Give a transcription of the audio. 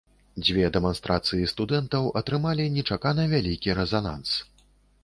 Дзве дэманстрацыі студэнтаў атрымалі нечакана вялікі рэзананс.